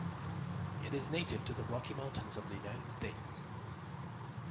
It is native to the Rocky Mountains of the United States.